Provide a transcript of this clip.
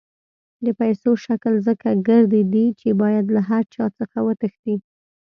د پیسو شکل ځکه ګردی دی چې باید له هر چا څخه وتښتي.